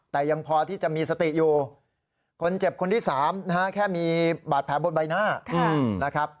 แต่ยังพอที่จะมีสติอยู่คนเจ็บคนที่๓นะฮะแค่มีบาดแผลบนใบหน้านะครับ